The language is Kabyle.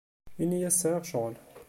Ini-as sɛiɣ ccɣel.